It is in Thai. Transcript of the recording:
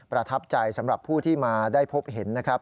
ประทับใจสำหรับผู้ที่มาได้พบเห็นนะครับ